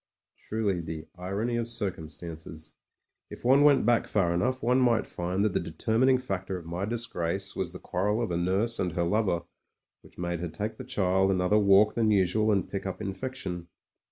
Truly the irony of circimistances ! If one went back far enough, one might find that the determining factor of my disgrace was the quarrel of a nurse and her lover which made her take the child another walk than usual and pick up infection.